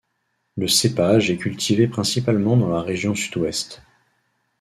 Le cépage est cultivé principalement dans la région Sud-Ouest.